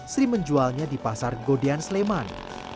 sri menjualnya di pasar godean sleman